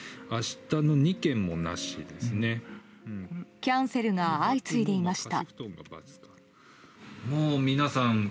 キャンセルが相次いでいました。